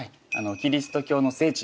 キリスト教の聖地